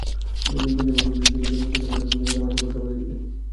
যেমন কোষ পর্দা, ডিমের খোসার ভেতরের পর্দা, মাছের পটকার পর্দা ইত্যাদি।